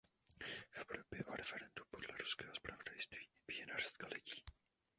V Evropě o referendu podle ruského zpravodajství ví jen hrstka lidí.